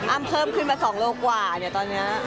อ้ามเขิบขึ้นมา๒กว่ายังแง่ตอนนี้